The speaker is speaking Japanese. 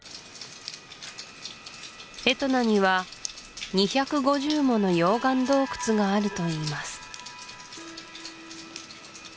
エトナには２５０もの溶岩洞窟があるといいます